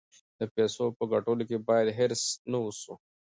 د پیسو په ګټلو کې باید حریص نه اوسو.